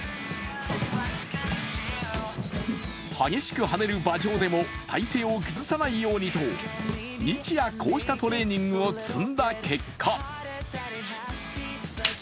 激しくはねる馬上でも体勢を崩さないようにと日夜、こうしたトレーニングを積んだ結果